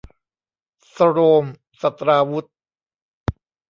โซรมศัสตราวุธ